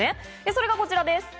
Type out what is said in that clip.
それがこちらです。